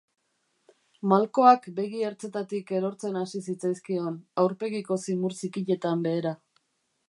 Malkoak begi ertzetatik erortzen hasi zitzaizkion, aurpegiko zimur zikinetan behera.